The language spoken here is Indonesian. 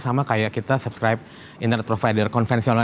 sama kayak kita subscribe internet provider konvensional